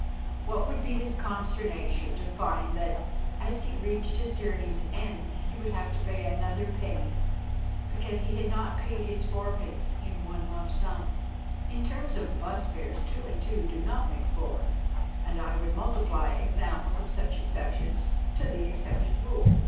What would be his consternation to find that, as ON COMMON SENSE 243 he reached his journey's end, he would have to pay another penny because he had not paid his fourpence in one lump sum? In terms of 'bus fares, two and two do not make four, and I would multiply examples of such exceptions to the accepted rule.